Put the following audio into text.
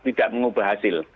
tidak mengubah hasil